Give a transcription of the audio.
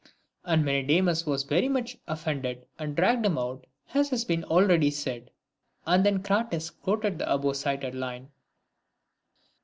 And Menedemus was very much offended, and dragged him out, as has been already said ; and then Crates quoted the above cited line.